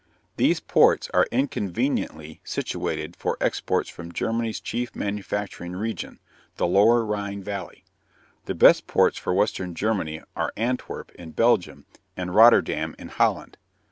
These ports are inconveniently situated for exports from Germany's chief manufacturing region, the lower Rhine valley. The best ports for western Germany are Antwerp, in Belgium, and Rotterdam, in Holland.